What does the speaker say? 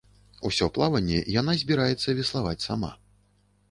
Усё плаванне яна збіраецца веславаць сама.